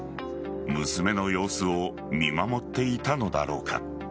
娘の様子を見守っていたのだろうか。